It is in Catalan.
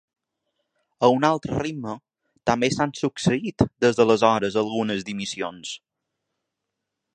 A un altre ritme, també s’han succeït des d’aleshores algunes dimissions.